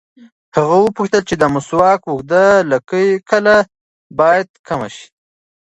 هغه وپوښتل چې د مسواک اوږدو کله باید کم شي.